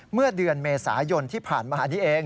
เมื่อเดือนเมษายนที่ผ่านมานี้เอง